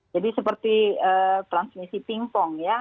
jadi seperti transmisi pingpong ya